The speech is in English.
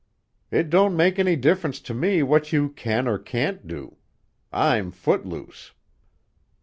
"It don't make any difference to me what you can or can't do. I'm foot loose!"